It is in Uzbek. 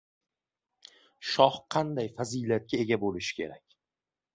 — Shoh qanday fazilatga ega bo‘lishi kerak?